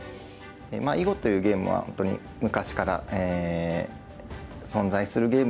囲碁というゲームは本当に昔から存在するゲームで。